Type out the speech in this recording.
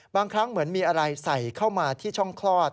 บางครั้งเหมือนมีอะไรใส่เข้ามาที่ช่องคลอด